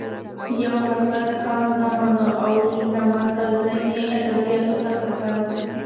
يو مرکز هم نه مانه او له نامرکزۍ نه يې ادبياتو ته کتل؛